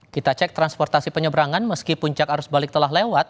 kita cek transportasi penyeberangan meski puncak arus balik telah lewat